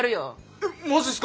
えっマジっすか！？